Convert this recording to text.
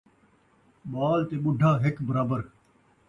ٻال تے ٻڈھا ہک برابر